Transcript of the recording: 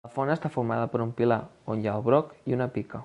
La font està formada per un pilar on hi ha el broc i una pica.